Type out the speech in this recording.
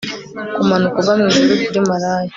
Kumanuka uva mwijuru kuri maraya